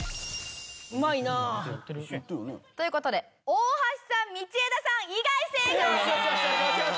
うまいな。という事で大橋さん道枝さん以外正解です！